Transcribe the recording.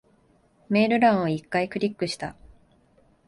メール欄を一回クリックした。